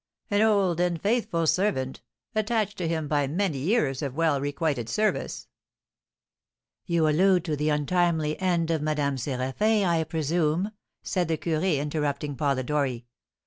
An old and faithful servant, attached to him by many years of well requited service " "You allude to the untimely end of Madame Séraphin, I presume," said the curé, interrupting Polidori.